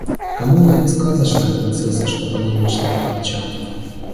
Коммуна не сказочная принцесса, чтоб о ней мечтать по ночам.